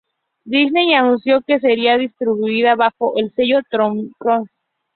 Disney anunció que sería distribuida bajo el sello Touchstone.